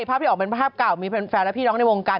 ภาพที่ออกเป็นภาพเก่ามีแฟนและพี่น้องในวงการ